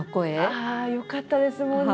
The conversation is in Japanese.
よかったですもんね！